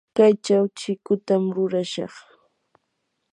kaychaw chikutam rurashaq.